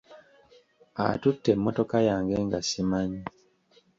Atutte emmotoka yange nga ssimanyi.